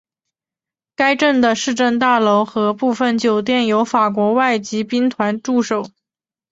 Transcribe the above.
该镇的市政大楼和部分酒店有法国外籍兵团驻守。